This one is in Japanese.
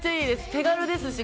手軽ですし。